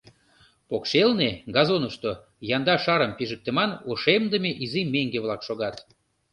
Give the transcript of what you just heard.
Покшелне, газонышто, янда шарым пижыктыман ошемдыме изи меҥге-влак шогат.